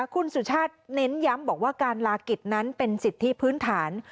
คุณสุชาติเน้นย้ำบอกว่าการลากิจนั้นเป็นสิทธิพื้นฐาน